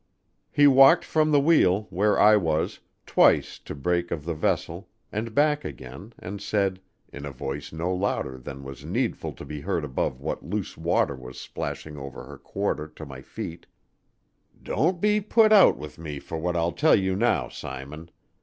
He walked from the wheel, where I was, twice to the break of the vessel and back again and said, in a voice no louder than was needful to be heard above what loose water was splashing over her quarter to my feet: "Don't be put out with me for what I'll tell you now, Simon.